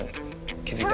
気付いた。